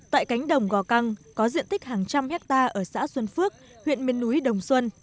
tại cánh đồng gò căng có diện tích hàng trăm hectare ở xã xuân phước huyện miền núi đồng xuân